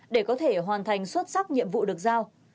để có thể hoàn thành xuất sắc nhiệm vụ được giao